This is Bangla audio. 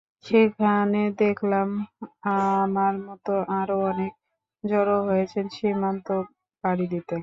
সেখানে দেখলাম আমার মতো আরও অনেকে জড়ো হয়েছেন সীমান্ত পাড়ি দিতে।